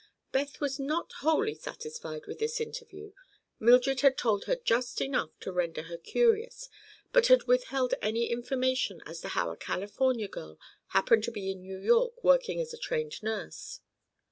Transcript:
Beth was not wholly satisfied with this interview. Mildred had told her just enough to render her curious, but had withheld any information as to how a California girl happened to be in New York working as a trained nurse.